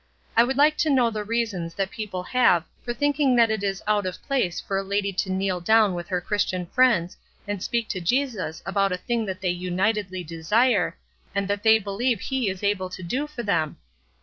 I would like to know the reasons that people have for thinking that it is out of place for a lady to kneel down with her Christian friends and speak to Jesus about a thing that they unitedly desire, and that they believe He is able to do for them?